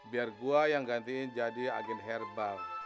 biar gue yang gantiin jadi agen herbal